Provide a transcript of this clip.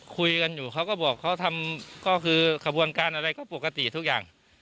คุยกันอยู่เขาก็บอกเขาทำก็คือขบวนการอะไรก็ปกติทุกอย่าง